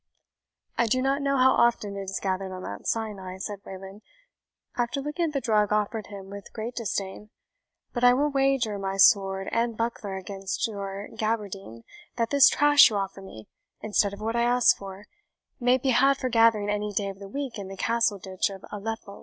"I do not know how often it is gathered on Mount Sinai," said Wayland, after looking at the drug offered him with great disdain, "but I will wager my sword and buckler against your gaberdine, that this trash you offer me, instead of what I asked for, may be had for gathering any day of the week in the castle ditch of Aleppo."